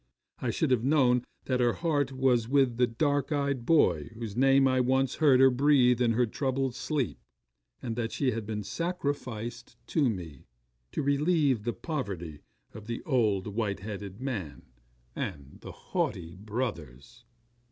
I should have known that her heart was with the dark eyed boy whose name I once heard her breathe in her troubled sleep; and that she had been sacrificed to me, to relieve the poverty of the old, white headed man and the haughty brothers.